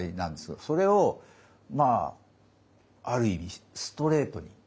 それをまあある意味ストレートに。